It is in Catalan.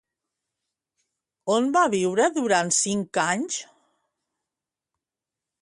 On va viure durant cinc anys?